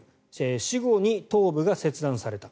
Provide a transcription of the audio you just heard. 死後に頭部が切断された。